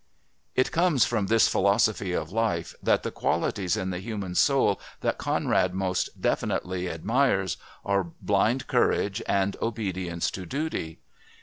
It comes from this philosophy of life that the qualities in the human soul that Conrad most definitely admires are blind courage and obedience to duty.